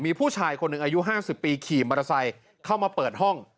มีผู้ชายคนหนึ่งอายุ๕๐ปีขี่มอเตอร์ไซค์เข้ามาเปิดห้อง